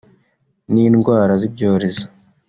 n’indwara z’ibyorezo